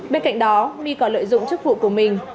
bên cạnh đó my còn lợi dụng chức vụ của mình